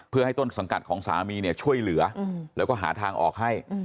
เพื่อให้ต้นสังกัดของสามีเนี่ยช่วยเหลือแล้วก็หาทางออกให้